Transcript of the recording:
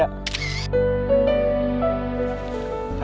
satu dua tiga